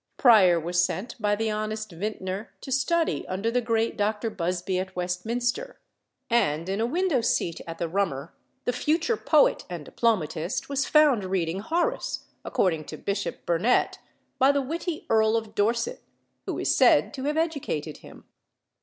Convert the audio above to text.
Prior was sent by the honest vintner to study under the great Dr. Busby at Westminster: and in a window seat at the Rummer the future poet and diplomatist was found reading Horace, according to Bishop Burnet, by the witty Earl of Dorset, who is said to have educated him.